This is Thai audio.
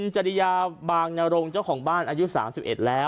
จริยาบางนรงเจ้าของบ้านอายุ๓๑แล้ว